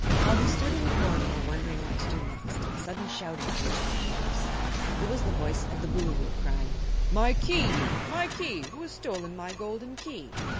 While he stood in the corridor wondering what to do next a sudden shouting reached his ears. It was the voice of the Boolooroo, crying: "My Key my Key! Who has stolen my golden Key?"